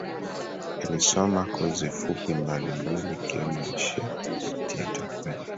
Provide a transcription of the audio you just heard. Alisoma kozi fupi mbali mbali ikiwemo ya sheti ya takwimu